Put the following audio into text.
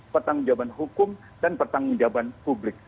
pertanggung jawaban hukum dan pertanggung jawaban publik